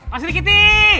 pak sri kiti